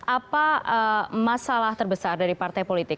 apa masalah terbesar dari partai politik